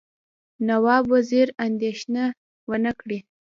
نواب وزیر اندېښنه ونه کړي.